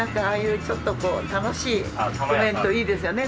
ちょっとこう楽しいコメントいいですよね。